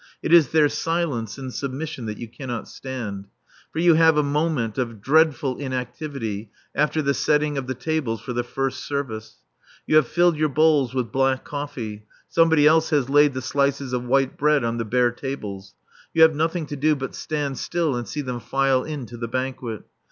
It is their silence and submission that you cannot stand. For you have a moment of dreadful inactivity after the setting of the tables for the premier service. You have filled your bowls with black coffee; somebody else has laid the slices of white bread on the bare tables. You have nothing to do but stand still and see them file in to the banquet.